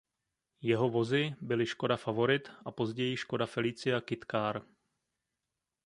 Jeho vozy byly Škoda Favorit a později Škoda Felicia Kit Car.